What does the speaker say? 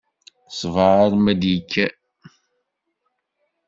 Ssbeṛ alma i d-yekker.